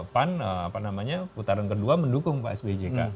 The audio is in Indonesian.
pan apa namanya putaran kedua mendukung pak sbyjk